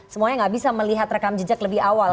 semuanya gak bisa melihat rekam jejak lebih awal